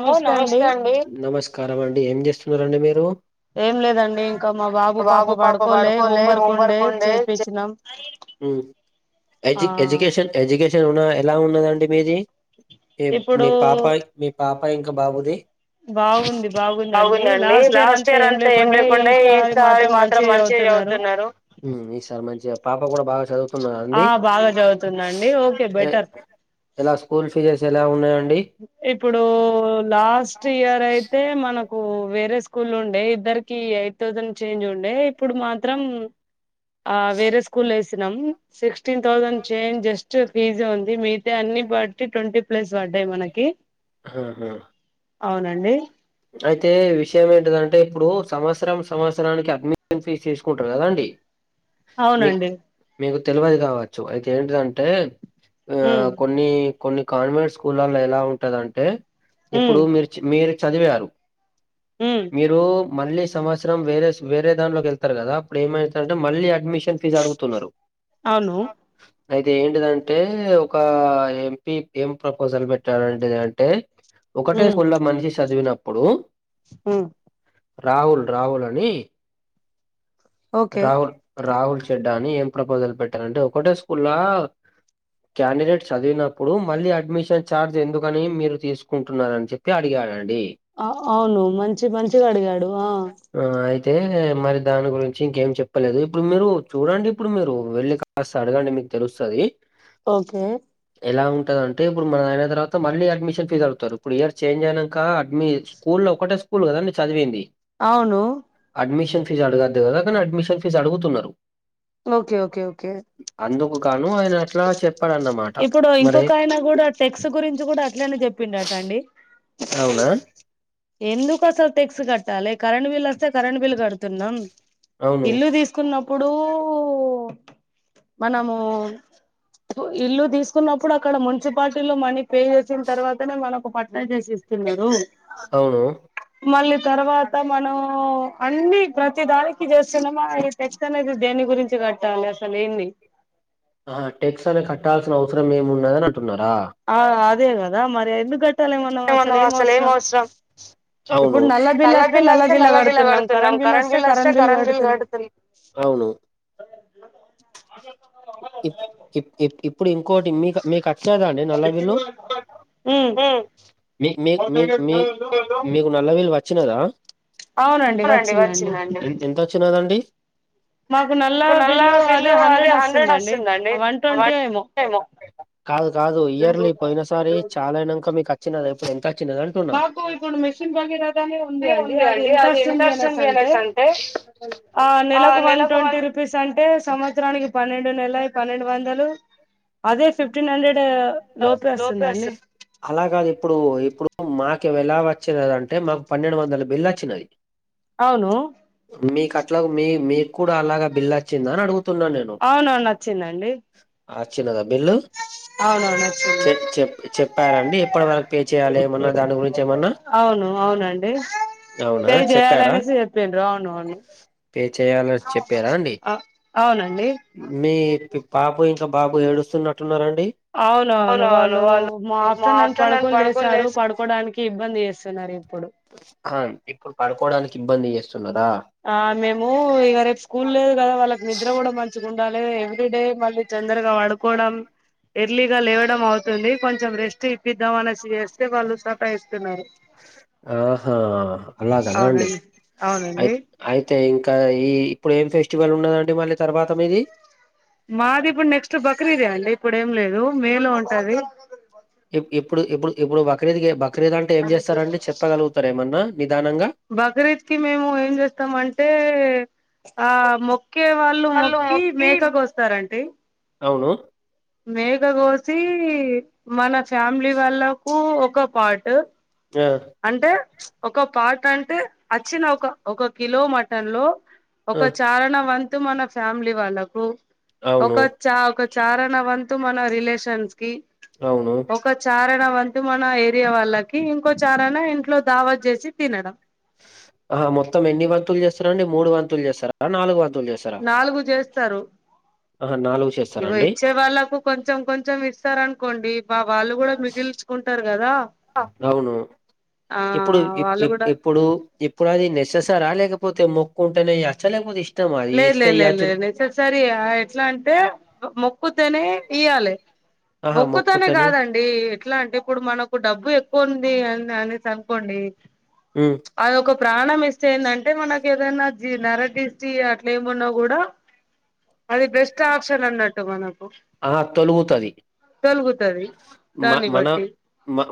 Hello నమస్తే అండి. నమ నమస్కారం అండి. ఏం చేస్తురండి మీరు ఉహ్ ఎడ్యుకేషన్, ఎడ్యుకేషన్ ఉన్నద్ ఎలా ఉన్నదండి మీది. మీ పాప మీ పాపా ఇంక బాబుది. బాగుందండి లాస్ట్ ఇయర్ అంతా ఏం లేకుండే. ఈసారి మాత్రం మంచిగా చవుతున్నారు. మంచిగా పాప కూడా బాగా చ చదువుతన్నదండి. ఎలా స్కూల్ జ్ ఎలా ఉన్నాయండి. ఎప్పుడు డో లాస్ట్ ఇయర్ అయితే మనం నాకు వేరే స్కూల్ ఉండే. ఇద్దరికి ఎయిట్ థౌసండ్ చేంజ్ ఉండే. ఇప్పుడు మాత్రం. ఆ వేరే స్కూల్ వేస్ సినం ఫిఫ్టీన్ థసండ్ చేంజ్ ఫీజె ఉంది. మిగితే అన్ని బట్టి ట్వంటీ ప్లస్ అంటే మనకి అవునండి. అయితే విషయం ఏంటిదంటే. ఇప్పుడు సంవత్సరం, సంవత్సరానికి అడ్మిషన్ ఫీజు తీసుకుంటారు కదండి. అవునండి. తెలవదు కావచ్చు అయితే ఏంటిదంటే ఆ కొన్ని కొన్ని కాన్వెంట్స్ స్కూలల్ల ఎలా ఉంటదంటే ఇప్పుడు మీరు మీరు చదివారు మీరు మళ్ళీ సంవత్సరం వేరే వేరే దాంలోకి వెళ్తారు కదా అప్పుడు ఏమముతదంటే మళ్ళీ అడ్మిషన్ ట్యూషన్ ఫీజుఫజ అడుగుతున్నరు. అయితే ఏంటిదంటే ఒక ఎంపీ ఎం ప్రపోజల్ పెట్టాడు ఏంటిది అంటే ఒకటే స్కూల్ల మనిషి చదివినప్పుడు రాహుల్, రాహుల్ అని. రాహల్, రాహుల్ చెడ్డా అని ఏం ప్రపోజల్ పెట్టాడంటే ఒకటే స్కూల్ల క్యాండేట్ చదివినప్పుడు మళ్ళీ అడ్మిషన్ ఛార్జ్ ఎందుకని మీరు తీసుకుంటున్నారు అని చెప్పి అడిగాడు అం ఆ అవును మంచి మంచిగా అడిగాడు ఆ అయితే మరి దాని గురించి ఇంకేం చెప్పలేదు, ఇప్పుడు మీరు చూడండి ఇప్పుడు మీరు వెళ్లి కాస్త అడగండి మీకు తెలుస్తది. ఓకే ఎలా ఉంటదం టే ఇప్పుడు మన అయిన తర్వాత మళ్ళీ అడ్మిషన్ ఫీజు అడుగుతరు, ఇప్పుడు ఇయర్ చేంజ్ అయినాంక అడ్మిషన్ స్కూల్లో ఒకటే స్కూల్ కదా అండి చదివింది. అవును ఫీజ్ అడగద్దు కదా కానీ అడ్మిషన్ ఫీజ్ అడుగుతున్నరు. అందుకుగాను ఆయన అట్లా చెప్ ఇప్పుడు ఇంకొక ఆయనా కూడా టెక్స్ గురించి కూడా అట్లనే చెప్పిండట అండి. ఎందుకు అసలు టెక్స్ కట్ ాలే కరెంట్ బిల్ వస్తే కరెంట్ బిల్ కడుతున్నం. ఇల్లు తీసుకున్నప్పు ప్పుడు మనము ఇల్లు తీసు న్నప్పుడు అక్కడ మున్సిపాలిటీ లో మనీపే చేసిన తర్వాతనే మనకు ప చేసి ఇస్తున్నరు. మళ్ళీ తర్వాత మనం అన్ని ప్రతి దానికి చేస్తున్నామా టెక్స్ అనేది దేని గురించి కట్టాలి అసలు ఏంది. టెక్స్నే పెట్టాసినవసరం ఏము ఉద నా ఆ అదే కదా మర్యాద ందు అసలు ఏ అవసరం అవు నల్ బిల్స్తే నల్ల బిల్ కడుతు కరెంట్ బిల్స్తే కరెంట్ బిల్ కడుతు అవును కుప్పుడు ఇ కోటి మీకు మీకు వచ్చేదా అండి నల్ల బిల్లు మకు లవల్ వచ్చినదా అవునండి వచ్చిడి ఎంత వచ్చినదండి బిల్లు అద హండ్రెడ్ వస్తుందిండి కాదు కాదు ఇయర్లీ పోయిన సారి చాలాక మీ ఇప్పుడు ఎంత మాకు ఇప్పుడు మెషన్ భగీరథనే ఉంది అండి అది ఎంత వస్తుంది అనేసి అంటే ఆ నెలకు వన్ ట్వంటీ రూపీస్ అంటే సంవత్సరానికి పన్నెండు పెడుెల పన్నెండు వందాలు అదే ఫిఫ్టీన్ హండ్రెడ్ లోపే వస్తుందండి ఎలా వచ్చినద అంటే మాకు పన్నెండు వంద బిల్లు వచ్చినది మీ కట్లా మీ మీ కూడా అలాగా బిల్ వచ్చింద అడుగు అవునవు నచ్చిందండి ఆ చిన్నదా బిల్లు చె చె చెప్పారాండి ఇప్పటి వరకు పే చేయాలి ఏమన్నా దాని గురించి ఏమన్నా అవునా చెప్పారా పే చేయాలని చెప్పారా అండి మీ పాపు ఇంకా బాబు ఏడు అవునవును వాళ్ళు మా ఆఫ్టర్నూన్ పడుకొని లేసారు పడుకోడానికి ఇబ్బంది చేస్తున్నారు ఇప్పుడు ఆ మేము ఈ రేపు స్ కుల్ కదా వాళ్ళకి నిద్ర కూడా మంచి ఎవీడే మళ్ళ తొందరగా వాడుకోవడం ఎర్లీగా లేవడం అవుతుంది కొంచెం రెస్ట్ కిిద్దవా అసిస్స్తే వాళ్ళు స అయి ఆహా అలాగన అండి అయి అయితే ఇంకా ఈ ఇప్పుడు ఏం ఫెస్టివల్ ఉన్నదండి మళ్ళీ తర్వాత మీది మాది ఇప్పుడు నెక్స్ట్ బక్రీదే అండి ఇప్పుడు ఏం లేదు మేలో ఉంటది ఎప్పుడు ఇప్పుడు ఎప్పుడు బక్రేదికి బ క్రీద అంటే ఏం చేస్తారని చెప్పగలుగుతారు ఏమన్నా బక్రీద్ కి మేము ఏం చేస్తాం అంటే ఆ ము ఒకక్కే వాళ్ళు మొక్కి మేకప్ వస్తారంటడి అవును మేఘ గోశి మన ఫ్యామిలీ వాళ్ళ ప ఒక పాటు అంటే ఒక పాట అంటే వచ్చిిన ఒక ఒక ఒక కిలో మటన్ లో ఒక చారణ వంతు మన ఫ్యామిలీ వాళ్ళకు ఒక చా ఒక చారణ వంతూ మన రిలేషన్స్ ఒక చారా వంు మన ఏరియా వాళ్ళకి ఇంకొ విచారా ఇంట్లో దావా చేసి తినడం ఆ మొత్తం ఎన్ని వంతులు చేస్తారా అండి మూడు వంతులు చేస్తారా నాలుగు వంతు నాలుగు చేస్తారు ఇగ ఇచ్చే వాళ్ళకు కొంచెం కొంచెం ఇస్తారనుకోండి అవును ఇప్పుడు ఇప్పుడు ఇప్పుడు అది నెస్సెస రా లేకపోతే మొ కొంట నయాసలులకుది లేదు లేదు లేదు లేదు లే సరి ఎట్లా అంటే కొద్దనే ఇయయాల మొక్కుతోనే కాదండి ఎట్లా అంటే ఇప్పుడు మనకు డబ్బు ఎక్కు అకది అ అనేస్ అన్కండి అదిొక ప్రాణం ఇస్తే ఏందంటే తే మనకిదన్న జీినార అట్లా ఏమన్నా కూడా అది బెస్ట్ ఆప్షన్ అన్నట్టు మనకు తొల్గుతుది దాన్ని బడ్ట్టి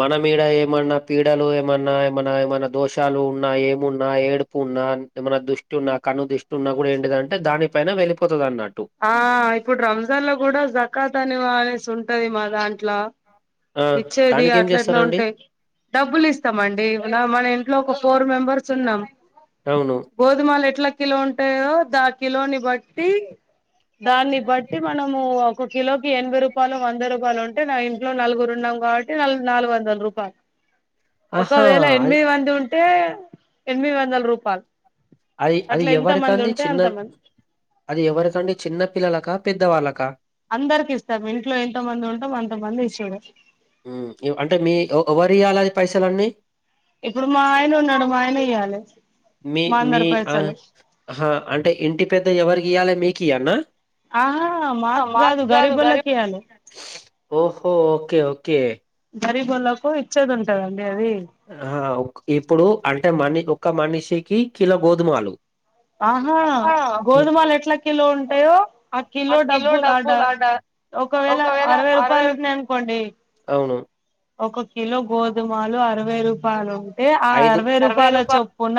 మన మీద ఏమన్నా పీడలు ఏమన్నా ఏమన్నా ఏమైన్నా దోషాలు ఉన్నా ఏమున్నా ఏడుపు ఉన్నా ఏమ దుష్టి ఉన్నా కన్ను దుష్టి ఉన్నా కూడా ఏంటిదంటే దానిపైన వెళ్ళిపోతుంది అన్నాడు ఆ ఇప్పుడు రంజాన్ లో కూడా పక్కతా వాళే స ఉంటది మ దాంట్లో ఇచ్చేది అట్లా ఇట్లా ఉంటే డబ్బులు ఇస్తామండి మ మన ఇంట్లో ఒక ఫోర్ మెంబర్స్ ఉన్నాం గోధమాాల ఎట్లా కిలో ఉంటాయో దా కిలోని బట్టి దాన్ని బట్టి మనము ఒక కిలోకి ఎనభై రూపాయలు వంద రూపాయలు ఉంటే నా ఇంట్లో నలుగురు ఉన్నాం కాబట్టి న నాలుగు వందల రూపాయలు ఒకవేళ ఎనిమిది మంది ఉంటు అంటే ఎనిమిది వందల రూపాయలు అది అది ఎవరికండి చిన్న అది ఎవరికండి చిన్న పిల్లలక పెద్దవాళ్ళక అందరికి ఇస్తాము ఇంట్లో ఎంతో మంది ఉంటాం అంత మంది ఇ చూడు అంటే మీ ఎవరి ఇవ్యాలిది పైసలున్నీ మీ మీ ఆా అంటే ఇంటి పెద్ద ఎవరికియ్యాలి మీకు కయానా మాస్ కాదు ప ఓహో ఓకే ఓకే గరీబలకు ఇచ్చేది ఉంటుదండి ఆ ఇప్పుడు అంటే మనీ ఒక మనిషికి కిలో గోధుమాలు ఆహా గోధుమలు ఎట్లా కిలో ఉంటాయో ఆ కిలో డబ్బులు ఆడ ఒకవేళ అరవై రూపాయలు ఉన్నాయనుకోండి ఒక కిలో గోధుమలు అరవై రూపాయలు ఆ అరవై రూపాయల చొప్పున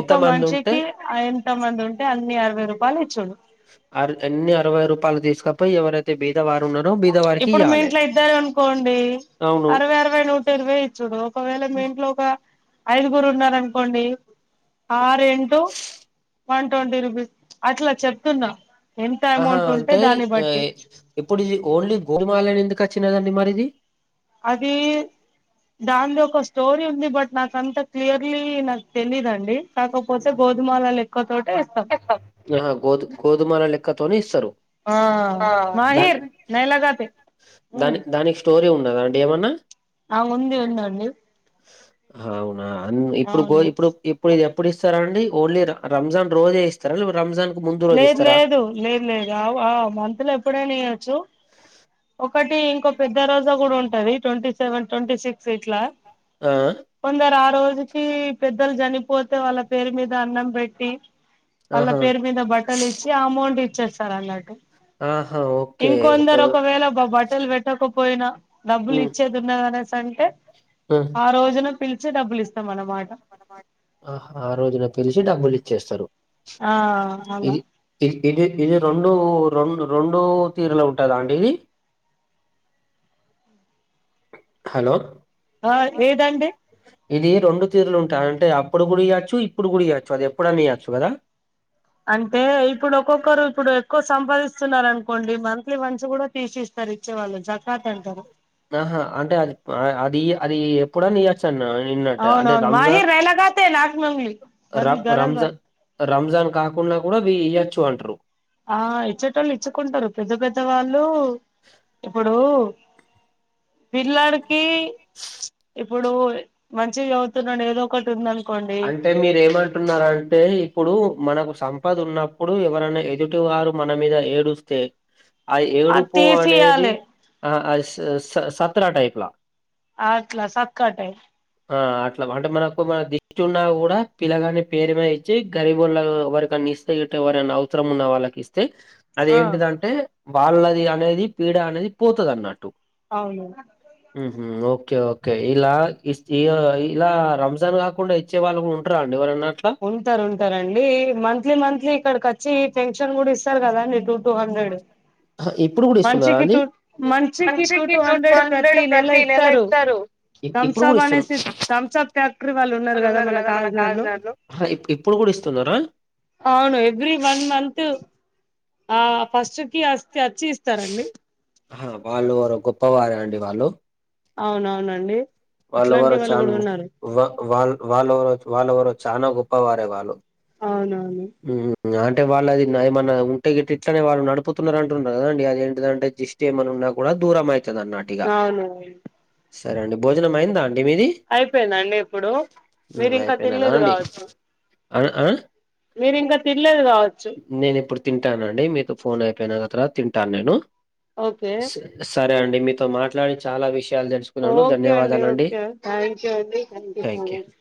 ఒక మనిషికి ఎంత మంది ఉంటే అన్ని అరవై రూపాయలు ఇచ్చుడు పవరైతే భేదా ఇప్పుడు మీ ఇంట్లో ఇద్దారు అనుకోండి అరవై అరవై నూట ఇరవై ఇచ్చుడు ఒకవేళ మీ ఇంట్లో ఒక ఐదుగురు ఉన్నారుార అంకోండి ట వన్ ట్వంటీ రూపీస్ అట్లా చెప్తున్నా ఆహా అంటే ఎప్పుడు ఓన్లీ గోమాలని ఎందుకు వచ్చినదండి మరిది దాది ఒక స్టోరీ ఉంది బట్ నాక అంత క్లియర్లీ నాకు తెలీయదుండి కాకపోతే గోధుమాలలు ఎక్కువ తోటి గోధు గోధుమల లెక్కతోనే ఇస్తారు దా దాని దానికి స్టోరీ ఉ అదండి ఏమన్నా ఆ ఉంది ఉంది అండి స్ హవున్ ఆ అన్ ఇప్పుడు గో ఇప్పుడు ఇప్పుడు ఇది ఎప్పుడు ఇస్తారండి ఓన్లీ ర రంజాన్ రోజే ఇస్తార రంజాన్ లేదు లేదు లేదు లేదు ఆ ఆ మంతులు ఎప్పుడైనా చో ఒకటి ఇంకో పెద్ద రోజా కూడా ఉంటంది ట్వంటీ సెవెన్ ట్వంటీ సిక్స్ ఇట్లా కొందరు ఆరు రో అసలికి పెద్దలు జనిపోతే వాళ్ళ పేరు మీద అన్నం బెట్టి ఆహా బట్టల్ ఇచ్చి ఆ మున్ [unintelligible] ఇచ్చే సార్ అన్నట్టు ఇంకొందరు ఒకవేళ బా బట్ ట్టలు వెట్టక పోయినా డబ్బులు ఇచ్చేది ఉన్నవనెస్ స అంటే ఆ రోజున పిలిచ చ్చే డబ్బులు ఇస్తాం మనం ఆహ ఆ రోజున పిలిసి డబ్బులు ఇ చేస్తారు ఆ అలా ఇది ఇది రెండు రెండు రెండు తీరులో ఉంటాందా అండి ఇది హలో ఇది రెండు తిర్లు ఉంట కాంటే అప్పుడు కూడాడి చేయచ్చు ఇప్పుడు గుడి చేయవచ్చు అది ఎప్పుడన్న చేయచ్చు కదా అంటే ఇప్పుడు ఒక్కొక్కరు ఇప్పుడు ఎక్కువ సంపాదిస్తున్నారు అనుకోండి మంత్లీ మన్స్ కూడా తీసిస్తారు ఇచ్చేవాళ్ళు చ ఆహా అంటే అది అది అది ఎప్పుడ న అవును అవును మాహి రెలాగాతే నాకు మంగలి గల రంజాన్ కాకుండా కూడా ఇయచ్చు అంటారు ఆ ఎచ్చుటల్ ఇచ్చుకుంటారు పెద్ద పెద్ద వాళ్ళు ఎప్పుడు హ పిల్లడికి ఇప్పుడు మంచిగా అవుతున్నాడు. ఏదో ఒకటి ఉందను అంటే మీరేమంటున్నారంటే ఇప్పుడు మనకు సం సంపద ఉన్నప్పుడు ఎవరన్నా ఎదుటి వారు మన మీద ఏడుస్తే ఆ ఏడుపు అనేది ఆహ్ ఆ స సత్ ఆ టైప్లా. అట్లా సత్కా టైప్. ఆహ్ అట్లా అంటే మనకు మన ది చున్నా కూడా పిల్లగాని పేరు మీద ఇచ్చి గరీబోళ్ళ ఎవరికన్నా ఇస్తే ఇటే ఎవరైనా అవసరం ఉన్న వాళ్ళకి ఇస్తే. అదేంటిదంటే. వాళ్ళది అనేది పీడ అనేది పోతది అన్నట్టు. ఉమ్మ్ ఓకే. ఓకే ఓకే ఇలా ఇ ఇలా రంజాన్ కాకుండా కొండ ఇచ్చేవాలు ఉంటార అంటూనా ఉంటారు ఉంటారండి మంత్లీ మంత్లీ ఇక్కడకి వచ్ చ్చి పెన్షన్ కూడ ఇస్. ఇస్తారు కదా అండి టూ టూ హండ్రెడ్ మనిషికి టూ మనిషికి టూ టూ హండ్రెడ్ ప్రతి నెల ఇస్తారు. తంసప్ అనేసి తంసాప్ ఫ్యాక్టరీ వాళ్ళు ఉన్నారు కదా మన కాకజ్ నగర్లో. అవును ఎవ్రి వన్ మంత్. ఆహ్ ఫస్ట్ కి వస్ వచ్చి ఇస్తారండి. ఆహ్ వాళ్ళు ఎవరో గొప్పవారే అండి వాళ్ళు. అవునవునండి. వాళ్ళు ఎవరో చాన్ వా వాళ్లు. వాళ్ళువరో వాళ్ళు ఎవరో చానా గొప్పవారే వాళ్ళు. అవునా. ఉమ్ అంటే వాళ్ళు అది ఏమన్నా ఉంటే గిట్ట గిట్టానే వాళ్ళు నడుపుతున్నా అంటున్నారు కదండి అదింటంటే దిష్టి ఏమన్నా ఉన్నా కూడా దూరం అయి అవునవును సరే అండి భోజనం అయిందండి. అయిపోయిందండి ఇప్పుడు మీరు ఇంకా తినలేదు కావచ్చు. ఆ ఆహ్ మీరింకా తినలేదు కావచ్చు. తింటానండి మీతో ఫోన్ అయిపోయిన తరువాత తింటాను నేను. ఓకే సరే అండి మీతో మాట్లాడి చాలా విషయ. ఓకే అండి ఓకేథ్యాం య అండిం సో మచ్